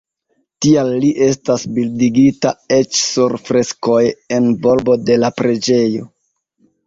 Tial li estas bildigita eĉ sur freskoj en volbo de la preĝejo.